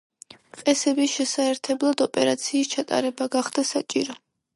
მყესების შესაერთებლად ოპერაციის ჩატარება გახდა საჭირო.